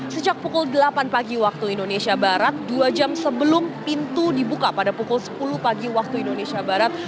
sejak pukul delapan pagi waktu indonesia barat dua jam sebelum pintu dibuka pada pukul sepuluh pagi waktu indonesia barat